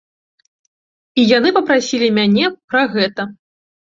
І яны папрасілі мяне пра гэта.